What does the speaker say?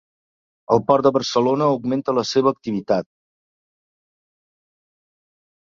El Port de Barcelona augmenta la seva activitat